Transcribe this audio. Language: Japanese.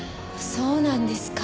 そうなんですか。